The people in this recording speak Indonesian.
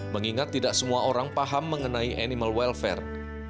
mengingat tidak semua orang paham mengenai animal welfare